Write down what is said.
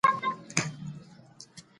د کمولو هڅې د چاپیریال ساتنې لپاره دي.